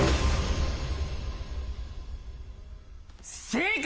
正解！